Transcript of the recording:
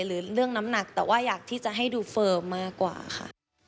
หรือเรื่องน้ำหนักแต่ว่าอยากที่จะให้ดูเฟิร์มมากกว่าค่ะ